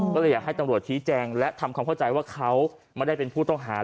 ก็เลยอยากให้ตำรวจชี้แจงและทำความเข้าใจว่าเขาไม่ได้เป็นผู้ต้องหา